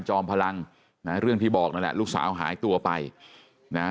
จอมพลังนะเรื่องที่บอกนั่นแหละลูกสาวหายตัวไปนะฮะ